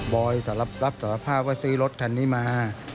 อยรับสารภาพว่าซื้อรถคันนี้มา